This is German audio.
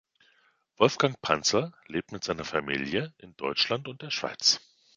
Wolfgang Panzer lebt mit seiner Familie in Deutschland und der Schweiz.